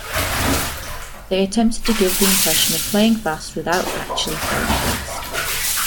They attempted to give the impression of playing fast without actually playing fast.